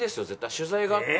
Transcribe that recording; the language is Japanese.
取材があって。